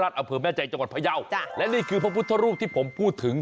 อำเภอแม่ใจจังหวัดพยาวจ้ะและนี่คือพระพุทธรูปที่ผมพูดถึง